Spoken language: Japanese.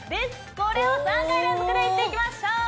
これを３回連続で言っていきましょう！